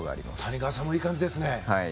谷川さんもいい感じですね。